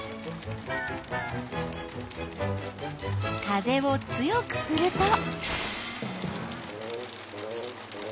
風を強くすると？